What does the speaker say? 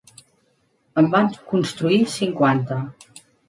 En van construir cinquanta.